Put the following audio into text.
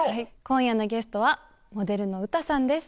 今夜のゲストはモデルのＵＴＡさんです。